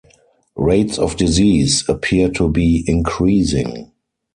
Rates of disease appear to be increasing.